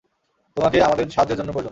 তোমাকে আমাদের সাহায্যের জন্য প্রয়োজন।